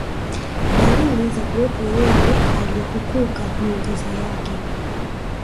dalili za kuwepo Yeye Aliyetukuka miujiza Yake